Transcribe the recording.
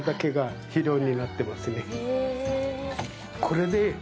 これで。